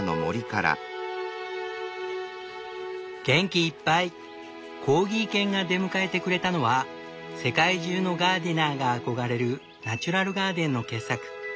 元気いっぱいコーギー犬が出迎えてくれたのは世界中のガーデナーが憧れるナチュラルガーデンの傑作